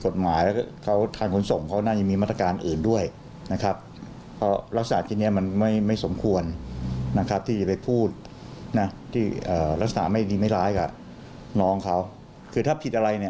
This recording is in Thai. ซึ่งวางกรอบเวลาครับว่าจากกี่วันถึงจะจับตัวได้อะไร